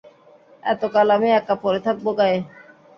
এতকাল আমি একা পড়ে থাকব গাঁয়ে?